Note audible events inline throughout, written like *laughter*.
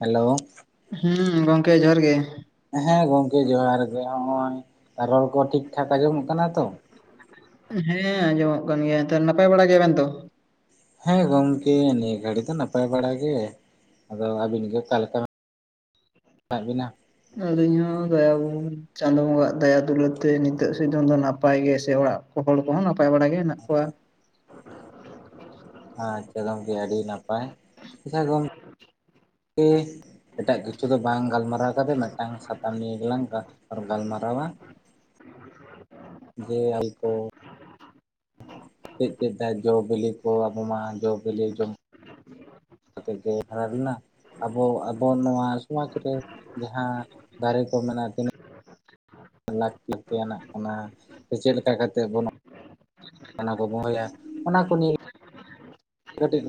Hello. ᱦᱩᱸ ᱜᱚᱝᱠᱮ ᱡᱚᱦᱟᱨ ᱜᱮ᱾ ᱦᱮᱸ ᱜᱚᱝᱠᱮ ᱡᱚᱦᱟᱨ ᱜᱮ ᱦᱚᱜ-ᱚᱭ ᱨᱚᱲ ᱠᱚ ᱴᱷᱤᱠ ᱴᱷᱟᱠ ᱟᱸᱡᱚᱢᱚᱜ ᱠᱟᱱᱟ ᱛᱚ? ᱦᱮᱸ ᱟᱸᱡᱚᱢᱚᱜ ᱠᱟᱱ ᱜᱮᱭᱟ, ᱛᱚ ᱱᱟᱯᱟᱭ ᱵᱟᱲᱟ ᱜᱮᱭᱟᱵᱮᱱ ᱛᱚ? ᱦᱮᱸ ᱜᱚᱢᱠᱮ ᱱᱤᱭᱟᱹ ᱜᱷᱟᱹᱲᱤ ᱫᱚ ᱱᱟᱯᱟᱭ ᱵᱟᱲᱟ ᱜᱮ ᱾ ᱟᱫᱚ ᱟᱹᱵᱤᱱ ᱜᱮ ᱚᱠᱟᱮ ᱞᱮᱠᱟ? ᱢᱮᱱᱟᱜ ᱵᱤᱱᱟ? ᱟᱞᱤᱧ ᱦᱚᱸ *unintelligible* ᱪᱟᱸᱫᱚ ᱵᱚᱸᱜᱟ ᱟᱜ ᱫᱟᱭᱟ ᱫᱩᱞᱟᱹ ᱛᱮ ᱱᱤᱛᱚᱜ ᱥᱤᱫᱚᱢ ᱫᱚ ᱱᱟᱯᱟᱭ ᱜᱮ ᱥᱮ ᱚᱲᱟᱜ ᱦᱚᱲ ᱠᱚᱦᱚᱸ ᱱᱟᱯᱟᱭ ᱵᱟᱲᱟ ᱜᱮ᱾ ᱢᱮᱱᱟᱜ ᱠᱚᱣᱟ᱾ ᱟᱪᱪᱷᱟ ᱜᱚᱢᱠᱮ ᱟᱹᱰᱤ ᱱᱟᱯᱟᱭ ᱟᱪᱪᱷᱟ ᱜᱚᱢᱠᱮ ᱮᱴᱟᱜ ᱠᱤᱪᱷᱩ ᱫᱚ ᱵᱟᱝ ᱜᱟᱞᱢᱟᱨᱟᱣ ᱠᱟᱛᱮ ᱢᱤᱫᱴᱟᱝ ᱥᱟᱯ ᱟᱨ ᱱᱤᱭᱟᱹ ᱜᱮᱞᱟᱝ ᱜᱟᱞᱢᱟᱨᱟᱣᱟ ᱡᱮ ᱟᱞᱮ ᱫᱚ ᱪᱮᱫ ᱪᱮᱫ ᱡᱚ-ᱵᱤᱞᱤ ᱠᱚ ᱟᱵᱚ ᱢᱟ ᱡᱚ-ᱵᱤᱞᱤ ᱡᱚᱢ *unintelligible* ᱟᱵᱚ ᱟᱵᱚ ᱱᱚᱣᱟ ᱥᱚᱢᱟᱪ ᱨᱮ ᱡᱟᱦᱟᱸ ᱫᱟᱨᱮ ᱠᱚ ᱢᱮᱱᱟᱜᱼᱟ, ᱛᱤᱱᱟᱹᱜ ᱞᱟᱹᱠᱛᱤ ᱛᱮᱱᱟᱜ ᱠᱟᱱᱟ ᱥᱮ ᱪᱮᱜ ᱞᱮᱠᱟ ᱠᱟᱛᱮ ᱵᱚᱱ ᱚᱱᱟ ᱠᱚᱵᱚ ᱫᱚᱦᱚᱭᱟ ᱚᱱᱟ ᱠᱚ ᱱᱤᱭᱮ *unintelligible* ᱠᱟᱹᱴᱤᱡ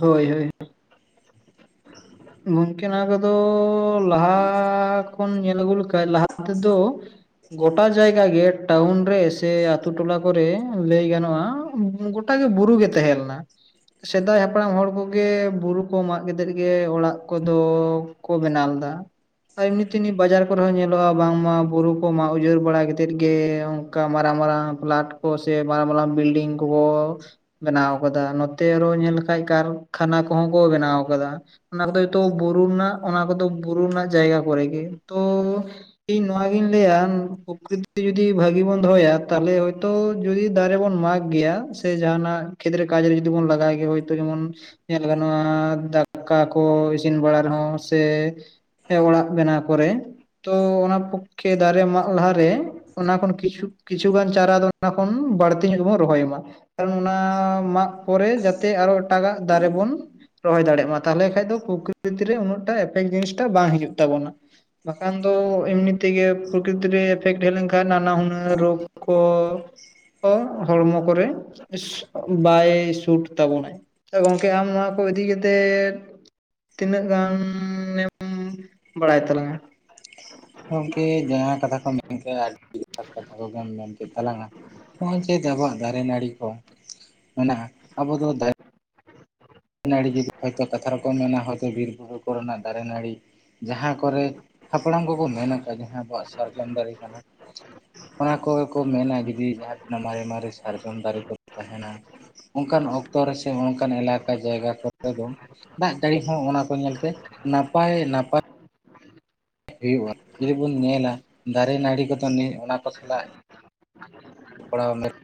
ᱦᱳᱭ ᱦᱳᱭ᱾ ᱜᱚᱝᱠᱮ ᱱᱚᱣᱟ ᱠᱚᱫᱚ ᱞᱟᱦᱟ ᱠᱷᱚᱱ ᱧᱮᱞ ᱟᱹᱜᱩ ᱞᱮᱠᱷᱟ ᱠᱷᱟᱡ ᱞᱟᱦᱟ ᱛᱮᱫᱚ ᱜᱚᱴᱟ ᱡᱟᱭᱜᱟ ᱜᱮ ᱴᱟᱣᱩᱱ ᱨᱮ ᱥᱮ ᱟᱛᱩ ᱴᱚᱞᱟ ᱠᱚᱨᱮ ᱞᱟᱹᱭ ᱜᱟᱱᱚᱜᱼᱟ, ᱜᱩ ᱴᱟ ᱜᱮ ᱵᱩᱨᱩ ᱜᱮ ᱛᱟᱸᱦᱮ ᱞᱮᱱᱟ, ᱥᱮᱫᱟᱭ ᱦᱟᱯᱲᱟᱢ ᱦᱚᱲ ᱠᱚᱜᱮ ᱵᱩᱨᱩ ᱠᱚ ᱢᱟᱜ ᱠᱮᱛᱮᱫ ᱜᱮ ᱚᱲᱟᱜ ᱠᱚᱫᱚ ᱠᱚ ᱵᱮᱱᱟᱣ ᱞᱮᱫᱟ᱾ ᱮᱢᱱᱤ ᱛᱮᱱᱤ ᱵᱟᱡᱟᱨ ᱠᱚᱨᱮ ᱦᱚᱸ ᱧᱮᱞᱚᱜᱼᱟ ᱵᱟᱝᱢᱟ ᱵᱩᱨᱩ ᱠᱚ ᱢᱟ ᱩᱡᱟᱹᱲ ᱵᱟᱲᱟ ᱠᱮᱛᱮᱫ ᱜᱮ ᱠᱟ ᱢᱟᱨᱟᱝ ᱢᱟᱨᱟᱝ ᱯᱷᱟᱞᱟᱴ ᱠᱚ ᱥᱮ ᱢᱟᱨᱟᱝ ᱢᱟᱨᱟᱝ ᱵᱤᱞᱰᱤᱝ ᱠᱚ ᱠᱚ ᱵᱮᱱᱟᱣ ᱠᱟᱫᱟ, ᱱᱚᱛᱮ ᱟᱨᱚ ᱧᱮᱞ ᱞᱮᱠᱷᱟᱡ ᱠᱟᱨᱼᱠᱷᱟᱱᱟ ᱠᱚ ᱦᱚᱸ ᱠᱚ ᱵᱮᱱᱟᱣ ᱠᱟᱫᱟ ᱚᱱᱟ ᱠᱚᱫᱚ ᱛᱚ ᱵᱩᱨᱩ ᱨᱮᱱᱟᱸᱜ ᱚᱱᱟ ᱠᱚᱫᱚ ᱵᱩᱨᱩ ᱨᱮᱱᱟᱸᱜ ᱡᱟᱭᱜᱟ ᱠᱚᱨᱮ ᱜᱮ, ᱛᱚ ᱤᱧ ᱱᱚᱣᱟ ᱜᱤᱧ ᱞᱟᱹᱭᱟ ᱯᱨᱚᱠᱨᱤᱛᱤ ᱡᱩᱫᱤ ᱵᱷᱟᱹᱜᱤ ᱵᱚᱱ ᱫᱚᱦᱚᱭᱟ ᱛᱟᱦᱚᱞᱮ ᱦᱚᱭᱛᱚ ᱡᱩᱫᱤ ᱫᱟᱨᱮ ᱵᱚᱱ ᱢᱟᱜ ᱜᱮᱭᱟ ᱥᱮ ᱡᱟᱦᱟᱸᱱᱟᱜ ᱠᱷᱮᱛᱨᱮ ᱠᱟᱡ ᱨᱮ ᱡᱩᱫᱤ ᱵᱚᱱ ᱞᱟᱜᱟᱭ ᱜᱮᱭᱟ ᱦᱚᱭᱛᱳ ᱡᱮᱢᱚᱱ ᱧᱮᱞ ᱜᱟᱱᱚᱜᱼᱟ ᱫᱟᱠᱟ ᱠᱚ ᱤᱥᱤᱱ ᱵᱟᱲᱟ ᱨᱮᱦᱚᱸ ᱥᱮ ᱥᱮ ᱚᱲᱟᱜ ᱵᱮᱱᱟᱣ ᱠᱚᱨᱮ ᱛᱚ ᱚᱱᱟ ᱯᱚᱠᱠᱷᱮ ᱫᱟᱨᱮ ᱢᱟᱜ ᱞᱟᱦᱟᱨᱮ, ᱚᱱᱟ ᱠᱷᱚᱱ ᱠᱤᱪᱷᱩ ᱠᱤᱪᱷᱩᱩᱜᱟᱱ ᱪᱟᱨᱟ ᱫᱚ ᱚᱱᱟ ᱠᱷᱚᱱ ᱵᱟᱹᱲᱛᱤ ᱧᱚᱜ ᱜᱮ ᱵᱚᱱ ᱨᱚᱦᱚᱭ ᱢᱟ ᱾ ᱚᱱᱟ ᱢᱟᱜ ᱯᱚᱨᱮ ᱡᱟᱛᱮ ᱟᱨᱚ ᱮᱴᱟᱜᱟᱜ ᱫᱟᱨᱮ ᱵᱚᱱ ᱨᱚᱦᱚᱭ ᱫᱟᱲᱮᱜ ᱢᱟ ᱛᱟᱦᱚᱞᱮ ᱠᱷᱟᱱᱡ ᱫᱚ ᱯᱨᱚᱠᱤᱛ ᱨᱮ ᱩᱱᱟᱹᱜᱴᱟ ᱮᱯᱷᱮᱠᱴ ᱡᱤᱱᱤᱥᱴᱟ ᱵᱟᱝ ᱦᱤᱡᱩᱜ ᱛᱟᱵᱚᱱᱟ᱾ ᱵᱟᱠᱷᱟᱱ ᱫᱚ ᱮᱢᱱᱤ ᱛᱮᱜᱮ ᱯᱨᱚᱠᱤᱛᱤᱨ ᱨᱮ ᱮᱯᱷᱮᱠᱴ ᱰᱷᱮᱨ ᱞᱮᱱᱠᱷᱟᱱ ᱱᱟᱱᱟ ᱦᱩᱱᱟᱹᱨ ᱨᱳᱜ ᱠᱚ ᱠᱚ ᱦᱚᱲᱢᱚ ᱠᱚᱨᱮ ᱤᱥ ᱵᱟᱭ ᱥᱩᱴ ᱛᱟᱵᱚᱱᱟᱭ᱾ ᱛᱚ ᱜᱚᱝᱠᱮ ᱟᱢ ᱱᱚᱣᱟ ᱠᱚ ᱤᱫᱤ ᱠᱟ ᱠᱟᱛᱮᱫ ᱛᱤᱱᱟᱹᱜ ᱜᱟᱻᱱᱮᱢ ᱵᱟᱲᱟᱭ ᱛᱟᱞᱟᱝᱟ? ᱜᱚᱝᱠᱮ ᱡᱟᱦᱟᱸ ᱠᱟᱛᱷᱟ ᱠᱚᱢ ᱢᱮᱱ ᱠᱮᱜᱼᱟ, ᱟᱹᱰᱤ ᱡᱚᱛᱷᱟᱛ ᱠᱟᱛᱷᱟ ᱠᱚᱜᱮᱢ ᱢᱮᱱ ᱠᱮᱫ ᱛᱟᱞᱟᱝᱼᱟ᱾ ᱱᱚᱜᱼᱚᱭ ᱡᱮ ᱟᱵᱚᱣᱟᱜ ᱫᱟᱨᱮ ᱱᱟᱹᱲᱤ ᱠᱚ ᱢᱮᱱᱟᱜᱼᱟ ᱟᱵᱚ ᱫᱚ ᱫᱟ ᱨᱮ ᱱᱟᱹᱲᱤ ᱦᱚᱭᱛᱚ ᱠᱟᱛᱷᱟ ᱨᱮᱠᱚ ᱢᱮᱱᱟ ᱦᱚᱭᱛᱚ ᱵᱤᱨ ᱵᱩᱨᱩ ᱠᱚᱨᱮᱱᱟᱜ ᱫᱟᱨᱮ ᱱᱟᱹᱲᱤ ᱡᱟᱦᱟᱸ ᱠᱚᱨᱮᱜ ᱦᱟᱯᱲᱟᱢ ᱠᱚᱼᱠᱚ ᱢᱮᱱ ᱠᱟᱜᱼᱟ ᱡᱟᱦᱟᱸ ᱟᱵᱚᱣᱟᱜ ᱥᱟᱨᱡᱚᱢ ᱫᱟᱨᱮ ᱠᱟᱱᱟ, ᱚᱱᱟ ᱠᱚ ᱠᱚ ᱢᱮᱱᱟ ᱡᱩᱫᱤ ᱡᱟᱦᱟᱸ ᱛᱤᱱᱟᱹᱜ ᱢᱟᱨᱮ ᱢᱟᱨᱮ ᱥᱟᱨᱡᱚᱢ ᱫᱟᱨᱮ ᱠᱚ ᱛᱟᱸᱦᱮᱱᱟ, ᱚᱱᱠᱟᱱ ᱚᱠᱛᱚ ᱨᱮᱥᱮ ᱚᱱᱠᱟᱱ ᱮᱞᱟ ᱠᱟ ᱡᱟᱭᱜᱟ ᱠᱚᱨᱮ ᱫᱚ ᱫᱟᱜ ᱡᱟᱹᱲᱤ ᱦᱚᱸ ᱚᱱᱟ ᱠᱚ ᱧᱮᱞᱛᱮ ᱱᱟᱯᱟᱭᱼᱱᱟᱯᱟᱭ ᱦᱩᱭᱩᱜᱼᱟ ᱡᱩᱫᱤ ᱵᱚᱱ ᱧᱮᱞᱟ ᱫᱟᱨᱮ ᱱᱟᱹᱲᱤ ᱠᱚᱫᱚ ᱚᱱᱟ ᱠᱚ ᱥᱟᱞᱟᱜ *unintelligible*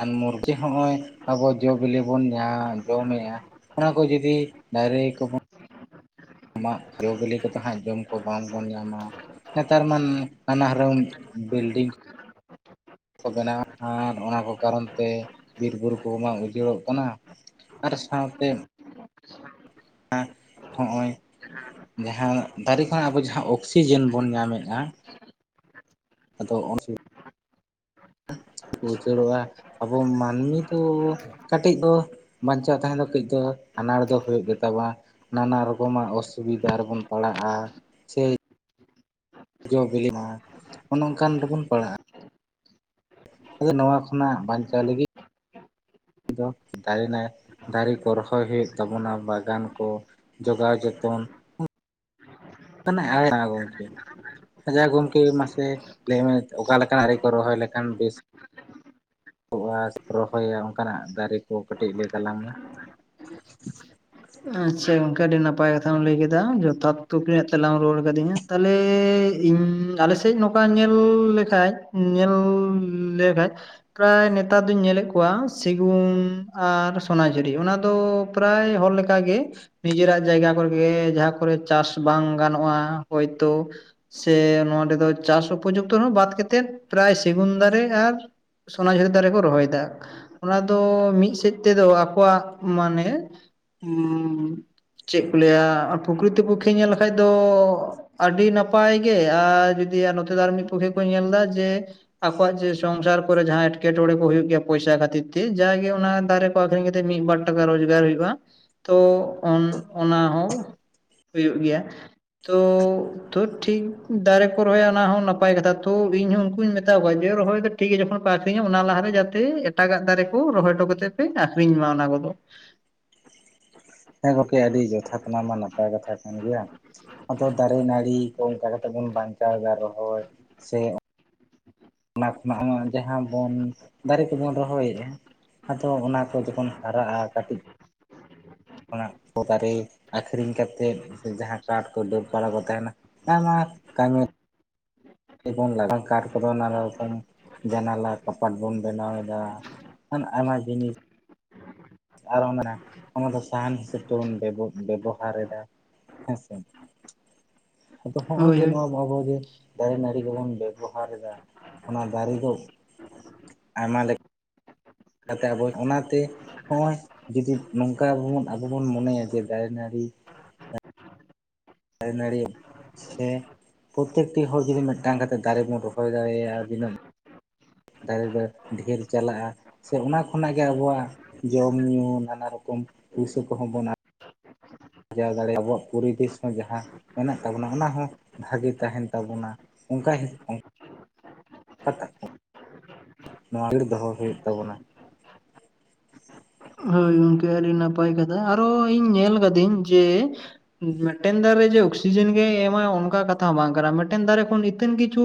*unintelligible* ᱡᱮ ᱦᱚᱸᱜᱼᱚᱭ ᱟᱵᱚ ᱡᱚᱼᱵᱮᱞᱤ ᱵᱚᱱ ᱧᱟ ᱡᱚᱢᱮᱜᱼᱟ, ᱚᱱᱟ ᱠᱚ ᱡᱩᱫᱤ ᱫᱟᱭᱨᱮ ᱠᱚ ᱵᱚᱱ ᱢᱟᱜ ᱡᱚ ᱵᱤᱞᱤ ᱠᱚ ᱛᱟ ᱦᱟᱸᱜ ᱡᱚᱢ ᱠᱚ ᱵᱟᱝᱵᱚᱱ ᱧᱟᱢᱟ ᱱᱮᱛᱟᱨ ᱢᱟᱱ ᱱᱟᱱᱟ ᱦᱚᱨᱟᱹᱢ ᱵᱤᱞᱰᱤᱝ ᱠᱚ ᱵᱮᱱᱟᱣᱮᱜ ᱟᱨ ᱚᱱᱟ ᱠᱚ ᱠᱟᱨᱚᱱ ᱛᱮ ᱵᱤᱨ ᱵᱩᱨᱩ ᱠᱚ ᱢᱟ ᱩᱡᱟᱹᱲᱚᱜ ᱠᱟᱱᱟ, ᱟᱨ ᱥᱟᱶᱛᱮ ᱦᱟᱸᱜ ᱦᱚᱸᱜᱼᱚᱭ ᱡᱟᱦᱟᱸ ᱫᱟᱨᱮ ᱠᱷᱚᱱᱟᱜ ᱟᱵᱚ ᱡᱟᱦᱟᱸ ᱚᱠᱥᱤᱡᱮᱱ ᱵᱚᱱ ᱧᱟᱢᱮᱜᱼᱟ, ᱟᱫᱚ *unintelligible* ᱵᱚ ᱩᱡᱟᱹᱲᱚᱜᱼᱟ ᱟᱵᱚ ᱢᱟᱹᱱᱢᱤ ᱫᱚ ᱠᱟᱹᱴᱤᱡ ᱫᱚ ᱵᱟᱧᱪᱟᱜ ᱛᱟᱦᱮᱸ ᱫᱚ ᱠᱟᱹᱡ ᱫᱚ ᱟᱱᱟᱲ ᱫᱚ ᱦᱩᱭᱩᱜ ᱜᱮᱛᱟ ᱠᱚᱣᱟ᱾ ᱱᱟᱱᱟ ᱨᱚᱠᱚᱢᱟᱜ ᱚᱥᱩᱵᱤᱫᱟ ᱨᱮᱵᱚᱱ ᱯᱟᱲᱟᱜᱼᱟ ᱥᱮ ᱡᱚ ᱵᱤᱞᱤ ᱢᱟ ᱚᱱᱮ ᱚᱱᱠᱟᱱ ᱨᱮᱵᱚᱱ ᱯᱟᱲᱟᱜᱼᱟ ᱾ ᱟᱫᱚ ᱱᱚᱣᱟ ᱠᱷᱚᱱᱟᱜ ᱵᱟᱧᱪᱟᱣ ᱞᱟᱹᱜᱤᱫ ᱫᱚ ᱫᱟᱨᱮ *unintelligible* ᱫᱟᱨᱮ ᱠᱚ ᱨᱚᱦᱚᱭ ᱦᱩᱭᱩᱜ ᱛᱟᱵᱚᱱᱟ ᱵᱟᱜᱟᱱ ᱠᱚ ᱡᱚᱜᱟᱣ ᱡᱚᱛᱚᱱ *unintelligible* ᱟᱪᱪᱷᱟ ᱜᱚᱢᱠᱮ ᱢᱟᱥᱮ ᱞᱟᱹᱭ ᱢᱮ ᱚᱠᱟ ᱞᱮᱠᱱᱟᱜ ᱨᱮ ᱠᱚ ᱨᱚᱦᱚᱭ ᱞᱮᱠᱷᱟᱱ ᱵᱮᱥ ᱨᱚᱦᱚᱭᱟ ᱚᱱᱠᱟᱱᱟᱜ ᱫᱟᱨᱮ ᱠᱚ ᱠᱟᱹᱴᱤᱡ ᱞᱟᱹᱭ ᱛᱟᱞᱟᱝ ᱢᱮ *unintelligible* ᱟᱪᱪᱷᱟ ᱜᱚᱢᱠᱮ ᱟᱹᱰᱤ ᱱᱟᱯᱟᱭ ᱠᱟᱛᱷᱟᱢ ᱞᱟᱹᱭ ᱠᱮᱫᱟ ᱡᱚᱛᱷᱟᱛ ᱛᱩᱠᱞᱤ ᱨᱮᱱᱟᱜ ᱛᱮᱞᱟᱢ ᱨᱩᱟᱹᱲ ᱟᱠᱟᱹᱫᱤᱧᱟ᱾ ᱛᱟᱦᱚᱞᱮ ᱤᱧ ᱟᱞᱮ ᱥᱮᱫ ᱱᱚᱠᱟ ᱧᱮᱞ ᱞᱮᱠᱷᱟᱡ ᱧᱮᱞ ᱞᱮᱠᱷᱟᱡ ᱯᱨᱟᱭ ᱱᱮᱛᱟᱨ ᱫᱩᱧ ᱧᱮᱞᱮᱫ ᱠᱚᱣᱟ ᱥᱤᱜᱩᱱ ᱟᱨ ᱥᱚᱱᱟᱡᱷᱩᱨᱤ ᱚᱱᱟ ᱫᱚ ᱯᱨᱟᱭ ᱦᱚᱲ ᱞᱮ ᱞᱮᱠᱟᱜᱮ ᱱᱤᱡᱮᱨᱟᱜ ᱡᱟᱭᱜᱟ ᱠᱚᱨᱮᱜᱮ ᱡᱟᱦᱟᱸ ᱠᱚᱨᱮ ᱪᱟᱥ ᱵᱟᱝ ᱜᱟᱱᱚᱜ-ᱟ ᱦᱚᱭᱛᱳ ᱥᱮ ᱱᱚᱰᱮ ᱫᱚ ᱪᱟᱥ ᱩᱯᱚᱡᱩᱠᱛᱚ ᱦᱚᱸ ᱵᱟᱫ ᱠᱟᱛᱮᱫ ᱯᱨᱟᱭ ᱥᱮᱜᱩᱱ ᱫᱟᱨᱮ ᱟᱨ ᱥᱚᱱᱟᱡᱷᱤᱨᱤ ᱫᱟᱨᱮᱠᱚ ᱨᱚᱦᱚᱭᱮᱫᱟ ᱚᱱᱟ ᱫᱚ ᱢᱤᱫ ᱥᱮᱫ ᱛᱮᱫᱚ ᱟᱠᱚᱣᱟᱜ ᱢᱟᱱᱮ *unintelligible* ᱪᱮᱫ ᱠᱚ ᱞᱟᱹᱭ ᱟ ᱯᱩᱠᱨᱤᱛᱚ ᱯᱚᱠᱠᱷᱮ ᱧᱮᱞ ᱞᱮᱠᱷᱟᱡ ᱫᱚ ᱟᱹᱰᱤ ᱱᱟᱯᱟᱭ ᱜᱮ ᱟᱨ ᱡᱩᱫᱤ ᱱᱚᱛᱮ ᱫᱚ ᱟᱨ ᱢᱤᱫ ᱯᱚᱠᱠᱷᱮ ᱠᱚ ᱧᱮᱞ ᱮᱫᱟ ᱡᱮ ᱟᱠᱚᱣᱟᱜ ᱡᱮ ᱥᱚᱝᱥᱟᱨ ᱠᱚᱨᱮ ᱡᱟᱦᱟᱸ ᱮᱴᱠᱮᱴᱚᱬᱮ ᱠᱚ ᱦᱩᱭᱩᱜ ᱜᱮᱭᱟ ᱯᱚᱭᱥᱟ ᱠᱷᱟᱹᱛᱤᱨ ᱛᱮ ᱡᱟᱜᱮ ᱚᱱᱟ ᱫᱟᱨᱮ ᱟᱹᱠᱷᱨᱤᱧᱟ ᱠᱟᱛᱮ ᱢᱤᱫ ᱵᱟᱨ ᱴᱟᱠᱟ ᱨᱳᱡᱽᱜᱟᱨ ᱦᱩᱭᱩᱜ-ᱟ ᱛᱚ ᱚᱱᱟ ᱦᱚᱸ ᱦᱩᱭᱩᱜ ᱜᱮᱭᱟ ᱛᱚ ᱛᱚ ᱴᱷᱤᱠ ᱫᱟᱨᱮ ᱠᱚ ᱨᱚᱦᱚᱭᱟ ᱚᱱᱟ ᱦᱚᱸ ᱱᱟᱯᱟᱭ ᱠᱟᱛᱷᱟ ᱛᱚ ᱤᱧ ᱦᱚᱸ ᱩᱱᱠᱩᱧ ᱢᱮᱛᱟ ᱠᱚᱣᱟ ᱡᱮ ᱨᱚᱦᱚᱭ ᱫᱚ ᱴᱷᱤᱠ ᱜᱮ ᱡᱚᱠᱷᱚᱱ ᱯᱮ ᱟᱹᱠᱷᱨᱤᱧᱟ ᱚᱱᱟ ᱞᱟᱦᱟᱨᱮ ᱡᱟᱛᱮ ᱮᱴᱟᱜᱟᱜ ᱫᱟᱨᱮ ᱠᱚ ᱨᱚᱦᱚᱭ ᱦᱚᱴᱚ ᱠᱟᱛᱮᱫ ᱯᱮ ᱟᱹᱠᱷᱨᱤᱧ ᱢᱟ ᱚᱱᱟ ᱠᱚᱫᱚ᱾ ᱦᱮᱸ ᱜᱚᱢᱠᱮ ᱟᱹᱰᱤ ᱡᱚᱛᱷᱟᱛ ᱢᱟ ᱱᱟᱯᱟᱭ ᱠᱟᱛᱷᱟ ᱠᱟᱱ ᱜᱮᱭᱟ ᱟᱫᱚ ᱫᱟᱨᱮ, ᱱᱟᱹᱲᱤ, ᱚᱱᱠᱟ ᱠᱟᱛᱮ ᱵᱚᱱ ᱵᱟᱧᱪᱟᱣ ᱮᱫᱟ ᱨᱚᱦᱚᱭ ᱥᱮ ᱚᱱᱟ ᱠᱷᱚᱱᱟᱜ ᱡᱟᱦᱟᱸ ᱵᱚᱱ ᱫᱟᱨᱮ ᱠᱚᱵᱚᱱ ᱨᱚᱦᱚᱭᱮᱫ-ᱟ ᱟᱫᱚ ᱚᱱᱟ ᱠᱚ ᱡᱚᱠᱷᱚᱱ ᱦᱟᱨᱟᱜ-ᱟ ᱠᱟᱹᱴᱤᱡ ᱚᱱᱟ ᱠᱚ ᱫᱟᱨ ᱨᱮ ᱟᱠᱷᱨᱤᱧ ᱠᱟᱛᱮᱫ ᱡᱟᱦᱟᱸ ᱠᱟᱴ ᱠᱚ ᱰᱟᱹᱨ ᱵᱟᱲᱟ ᱠᱚ ᱛᱟᱦᱮᱱᱟ ᱟᱭᱢᱟ ᱠᱟᱹᱢᱤ ᱠᱟᱴ ᱠᱚᱫᱚ ᱱᱟᱱᱟ ᱨᱚᱠᱚᱢ ᱡᱟᱱᱟᱞᱟ ᱠᱟᱯᱟᱴ ᱵᱚᱱ ᱵᱮᱱᱟᱣ ᱮᱫᱟ ᱟᱨ ᱟᱭᱢᱟ ᱡᱤᱱᱤᱥ ᱟᱨ ᱚᱱᱟ ᱚᱱᱟ ᱫᱚ ᱥᱟᱦᱟᱱ ᱦᱤᱥᱟᱹᱵ ᱛᱮᱵᱚᱱ ᱵᱮᱵᱚᱦᱟᱨ ᱮᱫᱟ᱾ ᱦᱮᱸᱥᱮ ᱟᱫᱚ ᱦᱚᱜ-ᱚᱭ ᱦᱳᱭ ᱡᱮ ᱦᱳᱭ ᱱᱚᱣᱟ ᱟᱵᱚ ᱜᱮ ᱫᱟᱨᱮ ᱱᱟᱹᱲᱤ ᱜᱮᱵᱚᱱ ᱵᱮᱵᱚᱦᱟᱨ ᱮᱫᱟ ᱚᱱᱟ ᱫᱟᱨᱮ ᱫᱚ ᱟᱭᱢᱟ ᱞᱮᱠᱟ ᱟᱵᱚ ᱚᱱᱟᱛᱮ ᱦᱚᱸᱜ-ᱚᱭ ᱡᱩᱫᱤ ᱱᱚᱝᱠᱟ ᱟᱵᱚ ᱵᱚᱱ ᱢᱚᱱᱮᱭᱟ ᱡᱮ ᱫᱟᱨᱮ ᱱᱟᱹᱲᱤ ᱫᱟᱨᱮ ᱱᱟᱹᱲᱤ ᱥᱮ ᱯᱨᱚᱛᱛᱮᱠᱴᱤ ᱦᱚᱲ ᱡᱩᱫᱤ ᱢᱤᱫᱴᱟᱝ ᱠᱟᱛᱮᱫ ᱫᱟᱨᱮ ᱵᱚᱱ ᱨᱚᱦᱚᱭ ᱫᱟᱲᱮᱭᱟᱜ-ᱟ ᱫᱤᱱᱟᱹᱢ ᱫᱟᱨᱮ ᱫᱚ ᱰᱷᱮᱨ ᱪᱟᱞᱟᱜ-ᱟ᱾ ᱥᱮ ᱚᱱᱟ ᱠᱷᱚᱱᱟᱜ ᱜᱮ ᱟᱵᱚᱣᱟᱜ ᱡᱚᱢ ᱧᱩᱩ ᱱᱟᱱᱟ ᱨᱚᱠᱚᱢ ᱯᱩᱭᱥᱟᱹ ᱠᱚᱦᱚᱸ ᱵᱚᱱ ᱟᱨᱡᱟᱣ ᱫᱟᱲᱮᱭᱟᱜ-ᱟ ᱟᱵᱚᱱ ᱯᱚᱨᱤᱵᱮᱥ ᱦᱚᱸ ᱡᱟᱦᱟᱸ ᱢᱮᱱᱟᱜ ᱛᱟᱵᱚᱱᱟ ᱚᱱᱟ ᱦᱚᱸ ᱵᱷᱟᱜᱮ ᱛᱟᱦᱮᱱ ᱛᱟᱵᱚᱱᱟ ᱚᱱᱠᱟ ᱦᱮᱸ ᱱᱚᱣᱟ ᱜᱮ ᱫᱚᱦᱚ ᱦᱩᱭᱩᱜ ᱛᱟᱵᱚᱱᱟ᱾ ᱦᱳᱭ ᱜᱚᱝᱠᱮ ᱟᱹᱰᱤ ᱱᱟᱯᱟᱭ ᱠᱟᱛᱷᱟ, ᱟᱨᱚ ᱤᱧ ᱧᱮᱞ ᱠᱟᱫᱟᱹᱧ ᱡᱮ ᱢᱤᱫᱴᱮᱱ ᱫᱟᱨᱮ ᱨᱮ ᱡᱮ ᱚᱠᱥᱤᱡᱮᱱ ᱜᱮ ᱮᱢᱟ ᱚᱱᱠᱟ ᱠᱟᱛᱷᱟ ᱦᱚᱸ ᱵᱟᱝ ᱠᱟᱱᱟ ᱢᱤᱫᱴᱮᱱ ᱫᱟᱨᱮ ᱠᱷᱚᱱ ᱟᱹᱛᱷᱟᱹᱱ ᱠᱤᱪᱷᱩ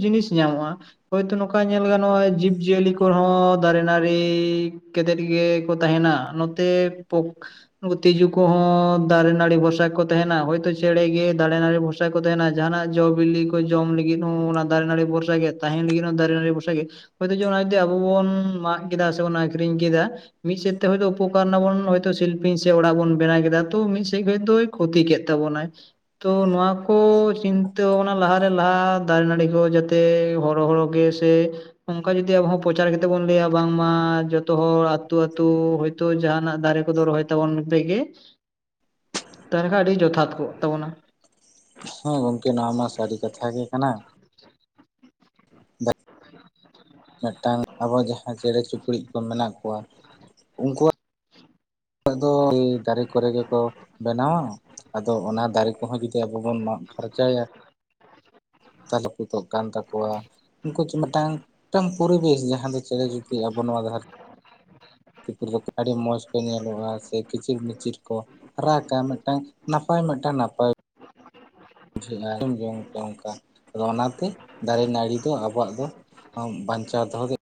ᱡᱤᱱᱤᱥ ᱧᱟᱢᱚᱜ-ᱟ᱾ ᱦᱳᱭᱛᱳ ᱱᱚᱝᱠᱟ ᱧᱮᱞ ᱜᱟᱱ ᱱᱚᱜ-ᱚᱭ ᱡᱤᱵᱽᱡᱤᱭᱟᱹᱞᱤ ᱠᱚᱦᱚᱸ ᱫᱟᱨᱮ ᱱᱟᱹᱲᱤ ᱠᱟᱛᱮᱫ ᱜᱮ ᱛᱟᱦᱮᱱᱟ ᱱᱚᱛᱮ ᱛᱤᱡᱩ ᱠᱚᱦᱚᱸ ᱫᱟᱨᱮ ᱱᱟᱹᱲᱤ ᱵᱷᱚᱨᱥᱟ ᱠᱚ ᱛᱟᱦᱮᱱᱟ ᱦᱳᱭᱛᱚ ᱪᱮᱬᱮ ᱜᱮ ᱫᱟᱨᱮ ᱱᱟᱹᱲᱤ ᱵᱷᱚᱨᱥᱟ ᱵᱚᱨᱥᱟ ᱠᱚ ᱛᱟᱦᱮᱱᱟ ᱡᱟᱦᱟᱱᱟᱜ ᱡᱚ ᱵᱤᱞᱤ ᱠᱚ ᱡᱚᱢ ᱞᱟᱹᱜᱤᱫ ᱦᱚᱸ ᱚᱱᱟ ᱫᱟᱨᱮ ᱱᱟᱹᱲᱤ ᱵᱷᱚᱨᱥᱟ ᱜᱮ ᱛᱟᱦᱮᱱ ᱞᱟᱹᱜᱤᱫ ᱦᱚᱸ ᱫᱟᱨᱮ ᱱᱟᱹᱲᱤ ᱵᱷᱚᱨᱥᱟ ᱜᱮ ᱦᱚᱭᱛᱳ ᱡᱚᱫᱤ ᱚᱱᱟ ᱡᱚᱫᱤ ᱟᱵᱚ ᱵᱚᱱ ᱢᱟᱜ ᱠᱮᱫᱟ ᱥᱮᱵᱚᱱ ᱟᱹᱠᱷᱨᱤᱧ ᱠᱮᱫᱟ ᱢᱤᱫ ᱥᱮᱫ ᱛᱮ ᱦᱚᱭᱛᱳ ᱩᱯᱚᱠᱟᱨ ᱮᱱᱟ ᱵᱚᱱ ᱦᱚᱭᱛᱚ ᱥᱤᱞᱯᱤᱧ ᱥᱮ ᱚᱲᱟᱜ ᱵᱚᱱ ᱵᱮᱱᱟᱣ ᱠᱮᱫᱟ ᱛᱚ ᱢᱤᱫ ᱥᱮᱫ ᱠᱷᱚᱡ ᱫᱚᱭ ᱠᱷᱚᱛᱤ ᱠᱮᱫ ᱛᱟᱵᱚᱱᱟᱭ᱾ ᱛᱚ ᱱᱚᱣᱟ ᱠᱚ ᱪᱤᱱᱛᱟᱹ ᱵᱷᱟᱵᱽᱱᱟ ᱞᱟᱦᱟᱨᱮ ᱞᱟᱦᱟ ᱫᱟᱨᱮ ᱱᱟᱹᱲᱤ ᱠᱚ ᱡᱟᱛᱮ ᱦᱚᱨᱚ ᱦᱚᱨᱚ ᱜᱮ ᱥᱮ ᱚᱝᱠᱟ ᱡᱩᱫᱤ ᱟᱵᱚ ᱦᱚᱸ ᱯᱚᱪᱟᱨ ᱠᱟᱛᱮ ᱵᱚᱱ ᱞᱟᱹᱭᱟ ᱵᱟᱝᱢᱟ ᱡᱚᱛᱚ ᱦᱚᱲ ᱟ ᱛᱩ ᱟᱹᱛᱩ ᱦᱚᱭᱛᱚ ᱡᱟᱦᱟᱸᱱᱟᱜ ᱫᱟᱨᱮ ᱠᱚᱫᱚ ᱨᱚᱦᱚᱭ ᱛᱟᱵᱚᱱ ᱯᱮ ᱜᱮ, ᱛᱟᱦᱚᱞᱮ ᱠᱷᱟᱡ ᱟᱹᱰᱤ ᱡᱚᱛᱷᱟᱛ ᱠᱚᱜ ᱛᱟᱵᱚᱱᱟ᱾ ᱦᱚᱸ ᱜᱚᱝᱠᱮ ᱱᱚᱣᱟ ᱢᱟ ᱥᱟᱹᱨᱤ ᱠᱟᱛᱷᱟ ᱜᱮ ᱠᱟᱱᱟ᱾ *inaudible* ᱢᱤᱫᱴᱟᱝ ᱟᱵᱚ ᱡᱟᱦᱟᱸ ᱪᱮᱬᱮ ᱪᱩᱯᱲᱤᱜ ᱠᱚ ᱢᱮᱱᱟᱜ ᱠᱚᱣᱟ, ᱩᱱᱠᱩᱣᱟᱜ ᱟᱫᱚ *inaudible* ᱫᱟᱨᱮ ᱠᱚᱨᱮ ᱜᱮᱠᱚ ᱵᱮᱱᱟᱣᱟ, ᱟᱫᱚ ᱚᱱᱟ ᱫᱟᱨᱮ ᱠᱚᱦᱚᱸ ᱡᱩᱫᱤ ᱟᱵᱚ ᱵᱚᱱ ᱢᱟᱜ ᱯᱷᱟᱨᱪᱟᱭᱟ *unintelligible* ᱠᱟᱱ ᱛᱟᱠᱚᱣᱟ᱾ ᱩᱱᱠᱩ ᱢᱤᱫᱴᱟᱝ ᱢᱤᱫᱴᱟᱝ ᱯᱚᱨᱤᱵᱮᱥ ᱡᱟᱦᱟᱸ ᱫᱚ ᱪᱮᱬᱮ ᱪᱩᱯᱤᱲᱤᱡ ᱟᱵᱚ ᱱᱚᱣᱟ ᱫᱷᱟᱨ ᱛᱤ ᱯᱩᱨᱤ ᱨᱮ ᱟᱹᱰᱤ ᱢᱚᱸᱡᱽ ᱠᱚ ᱧᱮᱞᱚᱜᱼᱟ ᱥᱮ ᱠᱤᱪᱤᱨ ᱢᱤᱪᱤᱨ ᱠᱚ ᱨᱟᱜᱟ ᱢᱤᱫᱴᱟᱝ ᱱᱟᱯᱟᱭ ᱢᱤᱫᱴᱟᱝ ᱱᱟᱯᱟᱭ ᱵᱩᱡᱷᱟᱹᱜᱼᱟ, ᱟᱸᱡᱚᱢ ᱡᱚᱝ ᱛᱮ ᱚᱝᱠᱟ ᱟᱫᱚ ᱚᱱᱟᱛᱮ ᱫᱟᱨᱮ ᱱᱟᱹᱲᱤ ᱫᱚ ᱟᱵᱚᱣᱟᱜ ᱫᱚ ᱵᱟᱧᱪᱟᱣ ᱫᱚᱦᱚ ᱜᱮ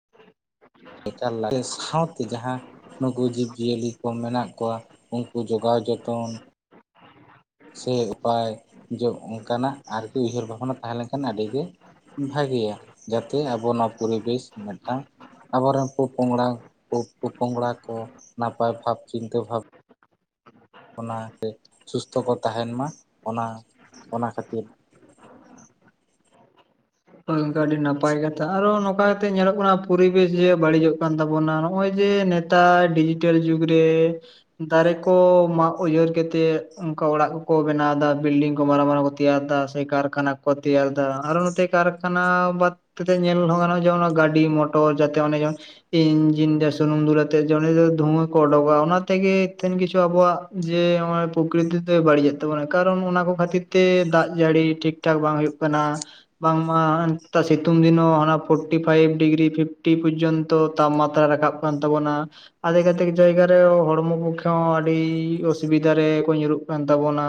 ᱮᱠᱟᱞ ᱞᱟᱠᱛᱤᱭᱟ ᱥᱟᱶ ᱛᱮ ᱡᱟᱦᱟᱸ ᱱᱩᱠᱩ ᱡᱤᱵᱽ ᱡᱤᱭᱟᱹᱞᱤ ᱠᱚ ᱢᱮᱱᱟᱜ ᱠᱚᱣᱟ ᱩᱱᱠᱩ ᱡᱚᱜᱟᱣ ᱡᱚᱛᱚᱱ ᱥᱮ ᱩᱯᱟᱭ, ᱡᱮ ᱚᱱᱠᱟᱱᱟᱜ ᱟᱨᱠᱤ ᱩᱭᱦᱟᱹᱨ ᱵᱷᱟᱵᱽᱱᱟ ᱛᱟᱦᱮᱸ ᱞᱮᱱᱠᱷᱟᱱ ᱟᱰᱤ ᱜᱮ ᱵᱷᱟᱜᱮᱭᱟ, ᱡᱟᱛᱮ ᱟᱵᱚ ᱱᱚᱣᱟ ᱯᱚᱨᱤᱵᱮᱥ ᱢᱤᱫᱴᱟᱝ ᱟᱵᱚ ᱨᱮᱱ ᱯᱳ ᱯᱚᱝᱲᱟ, ᱯᱳ ᱯᱳ ᱯᱚᱝᱲᱟ ᱠᱚ ᱱᱟᱯᱟᱭ ᱵᱷᱟᱵᱽ ᱪᱤᱱᱛᱟᱹ ᱵᱷᱟᱵ ᱵᱟᱱᱟ ᱪᱮ ᱥᱩᱥᱛᱷᱚ ᱠᱚ ᱛᱟᱦᱮᱸᱱ ᱢᱟ, ᱚᱱᱟ ᱚᱱᱟ ᱠᱷᱟᱹᱛᱤᱨ ᱦᱳᱭ ᱜᱚᱝᱠᱮ ᱟᱹᱰᱤ ᱱᱟᱯᱟᱭ ᱠᱟᱛᱷᱟ᱾ ᱟᱨᱚ ᱱᱚᱝᱠᱟ ᱠᱟᱛᱮ ᱧᱮᱞᱚᱜ ᱠᱟᱱᱟ ᱯᱚᱨᱤᱵᱮᱥ ᱡᱮ ᱵᱟᱹᱲᱤᱡᱚᱜ ᱠᱟᱱ ᱛᱟᱵᱚᱱᱟ ᱱᱚᱜᱼᱚᱭ ᱡᱮ ᱱᱮ ᱴᱟᱭ ᱰᱤᱡᱤᱴᱮᱞ ᱡᱩᱜᱽ ᱨᱮ ᱫᱟᱨᱮ ᱠᱚ ᱢᱟᱜ ᱩᱭᱦᱟᱹᱨ ᱠᱟᱛᱮ ᱚᱝᱠᱟ ᱚᱲᱟᱜ ᱠᱚᱠᱚ ᱵᱮᱱᱟᱣ ᱮᱫᱟ ᱵᱤᱞᱰᱤᱝ ᱠᱚ ᱢᱟᱨᱟᱝ ᱢᱟᱨᱟᱝ ᱠᱚ ᱛᱮᱭᱟᱨᱫᱟ *inaudible* ᱠᱟᱨᱠᱷᱟᱱᱟ ᱠᱚ ᱛᱮᱭᱟᱨᱫᱟ ᱟᱨᱦᱚᱸ ᱱᱚᱛᱮ ᱠᱟᱨᱠᱷᱟᱱᱟ ᱵᱟᱫ ᱠᱟᱛᱮ ᱧᱮᱞ ᱦᱚᱸ ᱜᱟᱱᱚᱜ ᱜᱮᱭᱟ ᱚᱱᱟ ᱜᱟᱹᱰᱤ, ᱢᱚᱴᱚᱨ ᱡᱟᱛᱮ ᱚᱱᱮ ᱡᱮᱢᱚᱱ ᱤᱧᱡᱤᱱ ᱨᱮ ᱥᱩᱱᱩᱢ ᱫᱩᱞ ᱟᱛᱮᱜ ᱡᱮ ᱚᱱᱮ ᱡᱮ ᱫᱷᱩᱣᱟᱹ ᱠᱚ ᱚᱰᱩᱠ ᱠᱚᱜ-ᱟ ᱚᱱᱟ ᱛᱮᱜᱮ ᱛᱤᱱ ᱠᱤᱪᱷᱩ ᱟᱵᱚᱣᱟᱜ ᱡᱮ ᱱᱚᱜ-ᱚᱭ ᱯᱚᱠᱨᱤᱛᱤ ᱛᱮ ᱵᱟᱹᱲᱤᱡᱮᱜ ᱛᱟᱵᱚᱱᱟ ᱠᱟᱨᱚᱱ ᱚᱱᱟ ᱠᱚ ᱠᱷᱟᱹᱛᱤᱨ ᱛᱮ ᱫᱟᱜ ᱡᱟᱹᱲᱤ ᱴᱷᱤᱠ ᱴᱷᱟᱠ ᱵᱟᱝ ᱦᱩᱭᱩᱜ ᱠᱟᱱᱟ᱾ ᱵᱟᱝᱢᱟ ᱱᱮᱛᱟᱨ ᱥᱤᱛᱩᱝ ᱫᱤᱱ ᱦᱚᱸ ᱦᱟᱱᱟ ᱯᱷᱳᱴᱴᱤ ᱯᱷᱟᱭᱤᱵ ᱰᱤᱜᱽᱨᱤ, ᱯᱷᱤᱯᱴᱤ ᱯᱚᱡᱡᱚᱱ ᱛᱚ ᱛᱟᱯᱢᱟᱛᱨᱟ ᱨᱟᱠᱟᱵ ᱠᱟᱱ ᱛᱟᱵᱚᱱᱟ᱾ ᱟᱫᱷᱮᱠ ᱟᱫᱷᱮᱠ ᱡᱟᱭᱜᱟ ᱨᱮ ᱦᱚᱸ ᱦᱚᱲᱢᱚ ᱯᱚᱠᱷᱮ ᱦᱚᱸ ᱟᱹᱰᱤ ᱚᱥᱩᱵᱤᱫᱷᱟ ᱨᱮ ᱠᱚ ᱧᱩᱨᱩᱜ ᱠᱟᱱ ᱛᱟᱵᱚᱱᱟ,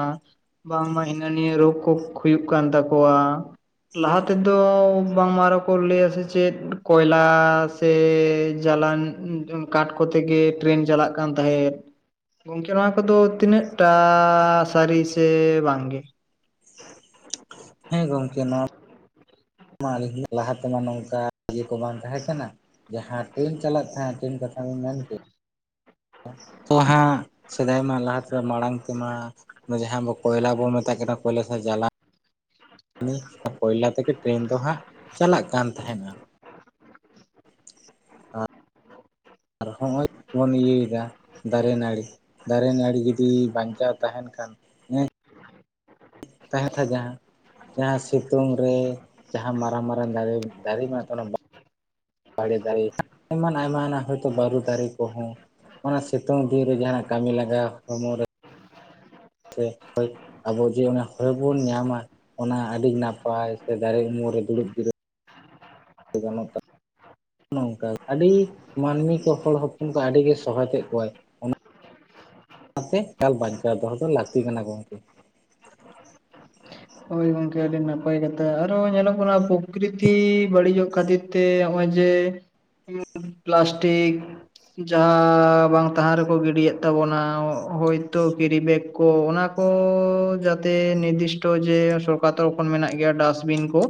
ᱵᱟᱝᱢᱟ ᱦᱤᱱᱟᱹ ᱱᱤᱭᱟᱹ ᱨᱳᱜᱽ ᱠᱷᱳᱠ ᱦᱩᱭᱩᱜ ᱠᱟᱱ ᱛᱟᱠᱚᱣᱟ᱾ ᱞᱟᱦᱟ ᱛᱮᱫᱚ ᱵᱟᱝᱢᱟ ᱟᱨᱚ ᱠᱚ ᱞᱟᱹᱭᱟ ᱥᱮ ᱪᱮᱫ ᱠᱚᱭᱞᱟ ᱥᱮ ᱡᱟᱞᱟᱱ *inaudible* ᱠᱟᱴ ᱠᱚᱛᱮ ᱜᱮ ᱴᱨᱮᱱ ᱪᱟᱞᱟᱜ ᱠᱟᱱ ᱛᱟᱦᱮᱸᱫ, ᱜᱚᱝᱠᱮ ᱱᱚᱣᱟ ᱠᱚᱫᱚ ᱛᱤᱱᱟᱹᱜ ᱴᱟᱜ ᱥᱟᱹᱨᱤ ᱥᱮ ᱵᱟᱝ ᱜᱮ? ᱦᱮᱸ ᱜᱚᱝᱠᱮ ᱱᱚᱣᱟ *inaudible* ᱞᱟᱦᱟ ᱛᱮᱢᱟ ᱱᱚᱝᱠᱟ ᱤᱭᱟᱹ ᱠᱚ ᱵᱟᱝ ᱛᱟᱦᱮᱸ ᱠᱟᱱᱟ, ᱡᱟᱦᱟᱸ ᱴᱨᱮᱱ ᱪᱟᱞᱟᱜ ᱛᱟᱦᱮᱸᱜ ᱴᱨᱮᱱ ᱠᱟᱛᱷᱟ ᱵᱤᱱ ᱢᱮᱱ ᱠᱮᱜ -ᱟ, *unintelligible* ᱦᱟᱸᱜ ᱥᱮᱫᱟᱭ ᱢᱟ ᱞᱟᱦᱟ ᱛᱮᱫᱚ ᱢᱟᱲᱟᱝ ᱛᱮᱢᱟ ᱫᱚ ᱡᱟᱦᱟᱸ ᱟᱵᱚ ᱠᱚᱭᱞᱟ ᱵᱚᱱ ᱢᱮᱛᱟᱜ ᱠᱟᱱᱟ ᱠᱚᱭᱞᱟ ᱥᱮ ᱡᱟᱞᱟ ᱱᱤ, ᱟᱨ ᱠᱚᱭᱞᱟ ᱛᱮᱜᱮ ᱴᱨᱮᱱ ᱫᱚ ᱦᱟᱸᱜ ᱪᱟᱞᱟᱜ ᱠᱟᱱ ᱛᱟᱦᱮᱸᱱᱟ᱾ ᱟᱫᱚ ᱦᱚᱸᱜᱼᱚᱭ ᱵᱚᱱ ᱤᱭᱟᱹᱭᱮᱫᱟ ᱫᱟᱨᱮ ᱱᱟᱹᱲᱤ, ᱫᱟᱨᱮ ᱱᱟᱹᱲᱤ ᱡᱩᱫᱤ ᱵᱟᱧᱪᱟᱣ ᱛᱟᱦᱮᱱ ᱠᱷᱟᱱ᱾ ᱦᱮᱸ ᱛᱟᱦᱮᱸ *unintelligible* ᱡᱟᱦᱟᱸ ᱡᱟᱦᱟᱸ ᱥᱤᱛᱩᱝ ᱨᱮ, ᱡᱟᱦᱟᱸ ᱢᱟᱨᱟᱝ ᱢᱟᱨᱟᱝ ᱫᱟᱲᱮ ᱫᱟᱨᱮ ᱫᱟᱨᱮᱢᱟ ᱛᱚᱱᱚᱝ *unintelligible* ᱵᱟᱲᱮ ᱫᱟᱨᱮ, ᱮᱢᱟᱱ ᱟᱭᱢᱟ ᱦᱮᱱᱟᱜ ᱦᱚᱭᱛᱳ ᱵᱟᱹᱨᱩ ᱫᱟᱨᱮ ᱠᱚᱦᱚᱸ ᱚᱱᱟ ᱥᱤᱛᱳᱝ ᱫᱤᱱ ᱨᱮ ᱡᱟᱦᱟᱸ ᱠᱟᱹᱢᱤ ᱞᱟᱜᱟ ᱦᱚᱲᱢᱚ ᱨᱮ ᱥᱮ ᱦᱚᱭ, ᱟᱵᱚ ᱡᱮ ᱚᱱᱮ ᱦᱚᱭ ᱵᱚᱱ ᱧᱟᱢᱟ᱾ ᱚᱱᱟ ᱟᱹᱰᱤ ᱱᱟᱯᱟᱭ ᱥᱮ ᱫᱟᱨᱮ ᱩᱢᱩᱞ ᱨᱮ ᱫᱩᱲᱩᱵ ᱡᱤᱨᱟᱹᱜᱼᱼ ᱜᱟᱱᱚᱜ ᱛᱟ *unintelligible* ᱱᱚᱝᱠᱟ, ᱟᱹᱰᱤ ᱢᱟᱹᱱᱢᱤ ᱠᱚ ᱦᱚᱲ ᱦᱚᱯᱚᱱ ᱠᱚ ᱟᱹᱰᱤᱜᱮ ᱥᱚᱦᱚᱫᱮᱫ ᱠᱚᱣᱟᱭ᱾ ᱚᱱᱟᱛᱮ *unintelligible* ᱮᱠᱟᱞ ᱵᱟᱪᱠᱟᱣ ᱫᱚᱦᱚ ᱫᱚ ᱞᱟᱹᱠᱛᱤ ᱠᱟᱱᱟ ᱜᱚᱝᱠᱮ᱾ ᱦᱳᱭ ᱜᱚᱝᱠᱮ ᱟᱹᱰᱤ ᱱᱟᱯᱟᱭ ᱠᱟᱛᱷᱟ᱾ ᱟᱨᱚ ᱧᱮᱞᱚᱜ ᱠᱟᱱᱟ ᱯᱚᱠᱨᱤᱛᱤ ᱵᱟᱹᱲᱤᱡᱚᱜ ᱠᱷᱟᱹᱛᱤᱨᱼᱼ ᱛᱮ, ᱦᱚᱜᱚᱭ‌ ᱡᱮ ᱯᱞᱟᱥᱴᱤᱠ ᱡᱟᱦᱟᱸ ᱵᱟᱝ ᱛᱟ ᱦᱟᱸ ᱨᱮᱠᱚ ᱜᱤᱰᱤᱭᱮᱫ ᱛᱟᱵᱚᱱᱟ᱾ ᱦᱳᱭᱛᱚ ᱠᱮᱨᱤ ᱵᱮᱜᱽ ᱠᱚ, ᱚᱱᱟ ᱠᱚ ᱡᱟᱛᱮ ᱱᱤᱨᱫᱤᱥᱴᱚ ᱡᱮ ᱥᱚᱨᱠᱟᱨ ᱛᱚᱨᱚᱯᱷ ᱠᱷᱚᱱ ᱢᱮᱱᱟᱜ ᱜᱮᱭᱟ ᱰᱟᱥᱴᱵᱤᱱ ᱠᱚ᱾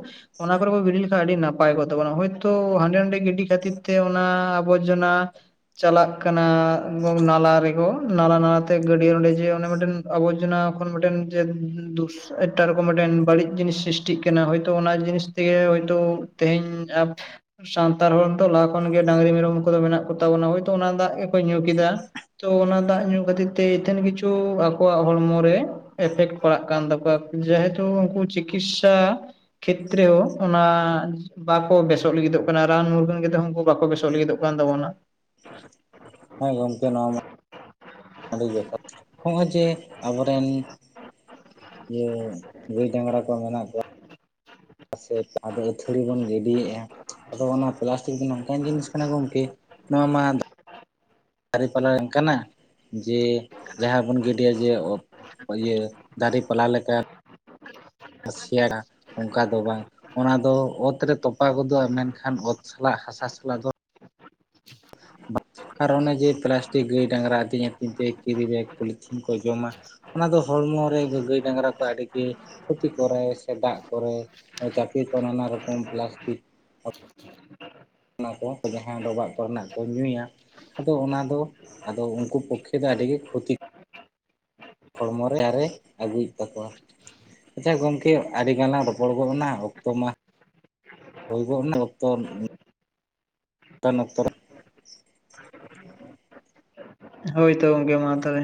ᱚᱱᱟ ᱠᱚᱨᱮ ᱠᱚ ᱜᱤᱰᱤ ᱞᱮᱠᱷᱟᱡ ᱟᱹᱰᱤ ᱱᱟᱯᱟᱭ ᱠᱚᱜ ᱛᱟᱵᱚᱱᱟ ᱾ ᱦᱳᱭᱛᱳ ᱦᱟᱸᱰᱮ ᱱᱟᱸᱰᱮ ᱜᱤᱰᱤ ᱠᱷᱟᱹᱛᱤᱨ ᱛᱮ ᱚᱱᱟ ᱟᱵᱚᱨᱡᱚᱱᱟ ᱪᱟᱞᱟᱜ ᱠᱟᱱᱟ᱾ ᱱᱟᱞᱟ ᱨᱮᱠᱚ, ᱱᱟᱞᱟ ᱱᱟᱞᱟᱛᱮ ᱜᱟᱹᱰᱭᱟᱹ ᱚᱸᱰᱮ ᱡᱮ ᱚᱱᱮ ᱢᱤᱫᱴᱮᱱ ᱟᱵᱚᱨᱡᱚᱱᱟ ᱠᱷᱚᱱ ᱢᱤᱴᱮᱱ ᱡᱮ ᱫᱩᱥᱼᱼ ᱮᱴᱟᱜ ᱨᱚᱠᱚᱢ ᱢᱤᱴᱮᱱ ᱵᱟᱹᱲᱤᱡ ᱡᱤᱱᱤᱥ ᱥᱨᱤᱥᱴᱤᱜ ᱠᱟᱱᱟ ᱾ᱦᱚᱳᱭᱛᱳ ᱚᱱᱟ ᱡᱤᱱᱤᱥ ᱛᱮᱜᱮ ᱦᱚᱳᱭᱛᱳ ᱛᱮᱦᱮᱧ *unintelligible* ᱥᱟᱱᱛᱟᱲ ᱦᱚᱲ ᱛᱚ, ᱞᱟᱦᱟ ᱠᱷᱚᱱ ᱜᱮ ᱰᱟᱺᱝᱨᱤ ᱢᱮᱨᱚᱢ ᱠᱚᱫᱚ ᱢᱮᱱᱟᱜ ᱠᱚᱛᱟ ᱵᱚᱱᱟ᱾ ᱦᱳᱭᱛᱚ ᱚᱱᱟ ᱫᱟᱜ ᱜᱮᱠᱚ ᱧᱩ ᱠᱮᱫᱟ᱾ ᱛᱚ ᱚᱱᱟ ᱫᱟᱜ ᱧᱩ ᱠᱷᱟᱹᱛᱤᱨ ᱛᱮ ᱤᱛᱷᱮᱱ ᱠᱤᱪᱷᱩ ᱟᱠᱚᱣᱟᱜ ᱦᱚᱲᱢᱚᱨᱮ ᱮᱯᱷᱮᱠᱴ ᱯᱟᱲᱟᱜ ᱠᱟᱱ ᱛᱟᱠᱚᱣᱟ᱾ ᱡᱮᱦᱮᱛᱩ ᱩᱱᱠᱩ ᱪᱤᱠᱤᱥᱥᱟ ᱠᱷᱮᱛᱨᱮ ᱳ ᱚᱱᱟᱼᱼ ᱵᱟᱠᱚ ᱵᱮᱥᱚᱜ ᱞᱟᱹᱜᱤᱫᱚᱜ ᱠᱟᱱᱟ᱾ ᱨᱟᱱ ᱢᱩᱨᱜᱟᱹᱱ ᱠᱟᱛᱮᱜ ᱦᱚᱸ ᱩᱱᱠᱩ ᱵᱟᱠᱚ ᱵᱮᱥᱚᱜ ᱞᱟᱹᱜᱤᱫᱚᱜ ᱠᱟᱱ ᱛᱟᱵᱚᱱᱟ᱾ ᱦᱮᱸ ᱜᱚᱝᱠᱮ ᱱᱚᱣᱟ ᱢᱟᱼᱼ ᱟᱹᱰᱤ ᱡᱚᱛᱷᱟᱛ᱾ ᱦᱚᱸᱜᱼᱚᱭ ᱡᱮ ᱟᱵᱚᱨᱮᱱ ᱤᱭᱟᱹ ᱜᱟᱹᱭ ᱰᱟᱺᱝᱨᱟ ᱠᱚ ᱢᱮᱱᱟᱜ ᱠᱚᱣᱟ᱾ ᱥᱮ ᱟᱫᱚ ᱟᱹᱛᱷᱟᱹᱲᱤ ᱵᱚᱱ ᱜᱤᱰᱤᱭᱮᱜᱼᱟ᱾ ᱟᱫᱚ ᱚᱱᱟ ᱯᱞᱟᱥᱴᱤᱠ ᱫᱚ ᱱᱚᱝᱠᱟᱱ ᱡᱤᱱᱤᱥ ᱠᱟᱱᱟ ᱜᱚᱝᱠᱮ ᱱᱚᱣᱟ ᱢᱟ *inaudible* ᱫᱟᱹᱨᱮ ᱯᱟᱞᱟ ᱵᱟᱝ ᱠᱟᱱᱟ᱾ ᱡᱮ ᱡᱟᱦᱟᱸ ᱵᱚᱱ ᱜᱤᱰᱤᱭᱟ ᱡᱮ ᱚᱜ ᱤᱭᱟᱹ ᱫᱟᱨᱮ ᱯᱟᱞᱦᱟ ᱞᱮᱠᱟ᱾ ᱥᱤ ᱟᱲᱟᱜ *unintelligible* ᱚᱱᱠᱟ ᱫᱚ ᱵᱟᱝ, ᱚᱱᱟ ᱫᱚ ᱚᱛ ᱨᱮ ᱛᱚᱯᱟ ᱜᱚᱫᱚᱜᱼᱟ ᱾ ᱢᱮᱱᱠᱷᱟᱱ ᱚᱛ ᱥᱟᱞᱟᱜ ᱦᱟᱥᱟ ᱥᱟᱞᱟᱜ ᱫᱚ ᱟᱨ ᱚᱱᱮ ᱡᱮ ᱯᱞᱟᱥᱴᱤᱠ ᱜᱟᱹᱭ ᱰᱟᱝᱜᱟᱨᱟ ᱟᱹᱛᱤᱧ ᱟᱹᱛᱤᱧ ᱛᱮ ᱠᱮᱨᱤ ᱵᱮᱜᱽ ᱯᱚᱞᱤᱛᱷᱤᱱ ᱠᱚ ᱡᱚᱢᱟ᱾ ᱚᱱᱟ ᱫᱚ ᱦᱚᱲᱢᱚ ᱨᱮ ᱜᱟᱹᱭ ᱰᱟᱝᱜᱽᱨᱟ ᱠᱚ ᱟᱹᱰᱤ ᱜᱮ ᱠᱷᱚᱛᱤ ᱠᱚᱨᱟᱭ᱾ ᱥᱮ ᱫᱟᱜ ᱠᱚᱨᱮ ᱪᱟᱯᱮ ᱠᱚᱜᱼᱟ ᱱᱟᱱᱟ ᱨᱚᱠᱚᱢ ᱯᱞᱟᱥᱴᱤᱠ᱾ ᱚᱱᱟ ᱠᱚ, ᱡᱟᱦᱟᱸ ᱰᱚᱵᱟᱜ ᱠᱚᱨᱮᱱᱟᱜ ᱠᱚ ᱧᱩᱭᱟ᱾ ᱟᱫᱚ ᱚᱱᱟ ᱫᱚ ᱟᱫᱚ ᱩᱱᱠᱩ ᱯᱚᱠᱠᱷᱮ ᱫᱚ ᱟᱹᱰᱤ ᱜᱮ ᱠᱷᱚᱛᱤᱼᱼ ᱦᱚᱲᱢᱚᱨᱮ ᱟᱡᱟᱨᱮ ᱟᱹᱜᱩᱭᱮᱜ ᱛᱟᱠᱚᱣᱟ᱾ ᱟᱪᱪᱷᱟ ᱜᱚᱝᱠᱮ, ᱟᱹᱰᱤᱜᱟᱱ ᱞᱟᱝ ᱨᱚᱯᱚᱲ ᱜᱚᱫ ᱮᱱᱟ᱾ ᱚᱠᱛᱚ ᱢᱟᱼᱼ ᱦᱳᱭ ᱜᱚᱜᱱᱟ *unintelligible* ᱱᱚᱝᱠᱟᱱ ᱚᱠᱛᱚ ᱨᱮ ᱦᱳᱭ ᱛᱚ ᱜᱚᱝᱠᱮ ᱢᱟ ᱛᱚᱵᱮ᱾